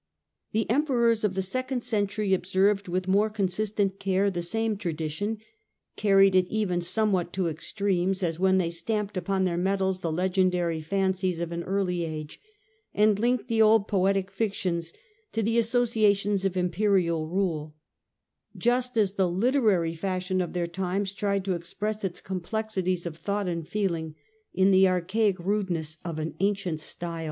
The Emperors of the second century observed with more consistent care the same tradition, carried it even somewhat to extremes, as when they stamped upon their medals the legendary fancies of an early age, and linked the old poetic fictions to the associations of imperial rule ; just as the literary fashion of their times tried to express its complexities of thought and feeling in the archaic rudeness of an ancient style.